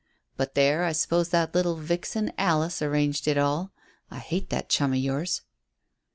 But, there, I suppose that little vixen Alice arranged it all. I hate that chum of yours."